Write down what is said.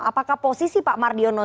apakah posisi pak marjono